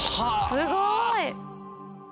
すごい！